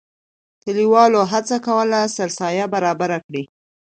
کلیوالو هڅه کوله سرسایه برابره کړي.